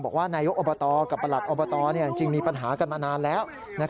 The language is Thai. นายกอบตกับประหลัดอบตจริงมีปัญหากันมานานแล้ว